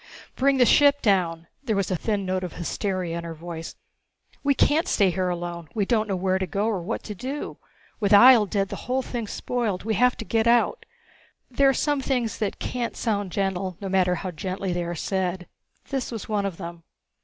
"Bring the ship down!" There was a thin note of hysteria in her voice. "We can't stay here alone. We don't know where to go or what to do. With Ihjel dead, the whole thing's spoiled. We have to get out...." There are some things that can't sound gentle, no matter how gently they are said. This was one of them.